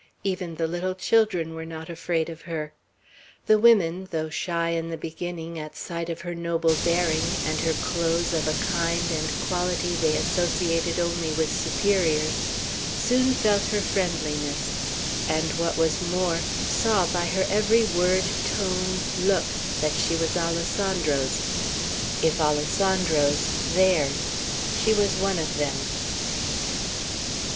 Even the little children were not afraid of her. The women, though shy, in the beginning, at sight of her noble bearing, and her clothes of a kind and quality they associated only with superiors, soon felt her friendliness, and, what was more, saw by her every word, tone, look, that she was Alessandro's. If Alessandro's, theirs. She was one of them.